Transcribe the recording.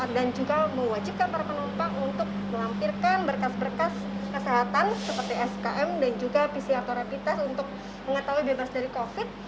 dan juga mewajibkan para penumpang untuk melampirkan berkas berkas kesehatan seperti skm dan juga pcr torapitas untuk mengetahui bebas dari covid sembilan belas